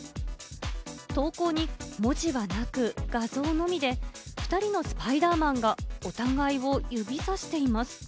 投稿に文字はなく、画像のみで２人のスパイダーマンがお互いを指さしています。